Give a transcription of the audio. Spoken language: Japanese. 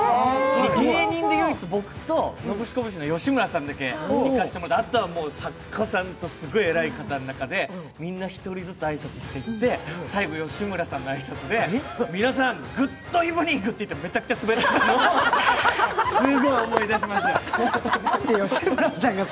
芸人で唯一、僕とノブシコブシの吉村さんだけ行かせてもらってあとはもう作家さんと、すごい偉い方の中でみんな１人ずつ挨拶していって、最後、吉村さんの挨拶で、皆さん、グッドイブニングって言って滑ったの、すごい思い出しました。